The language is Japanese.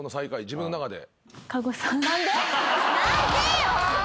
自分の中で。